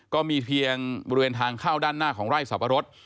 ก็มีเพียงบริเวณทางเข้าด้านหน้าของไร่สับปะรด